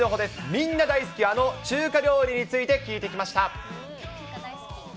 みんな大好き、あの中華料理について聞いてきました。